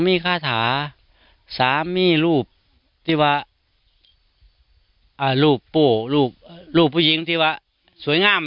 มีคาถาสามีรูปที่ว่ารูปปู่รูปรูปผู้หญิงที่ว่าสวยงาม